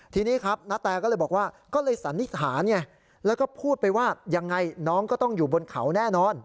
ทีนี้ครับณแตก็เลยบอกว่าก็เลยสันนิษฐานไงแล้วก็พูดไปว่ายังไงน้องก็ต้องอยู่บนเขาแน่นอน